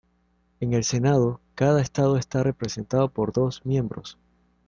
En el Senado, cada estado está representado por dos miembros.